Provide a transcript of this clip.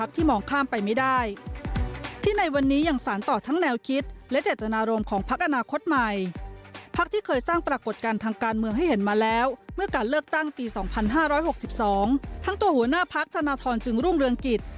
ทั้งตัวหัวหน้าพักธนทรจึงรุ่งเรืองกิจ